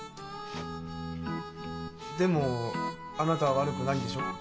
でもあなたは悪くないんでしょう？